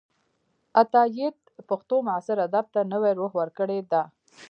عطاييد پښتو معاصر ادب ته نوې روح ورکړې ده.